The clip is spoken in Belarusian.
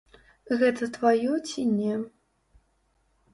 Гэта тваё ці не.